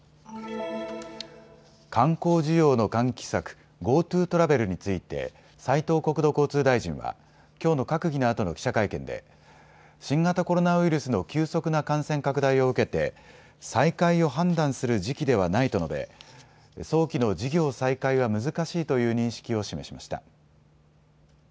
観光需要の喚起策、ＧｏＴｏトラベルについて斉藤国土交通大臣はきょうの閣議のあとの記者会見で新型コロナウイルスの急速な感染拡大を受けて再開を判断する時期ではないと述べ早期の事業再開は難しいという認識を示しました。